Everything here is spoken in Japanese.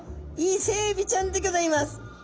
イセエビちゃんでギョざいます！